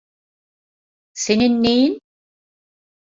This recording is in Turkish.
Senin neyin?